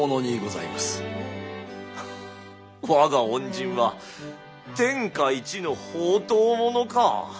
我が恩人は天下一の放蕩者か！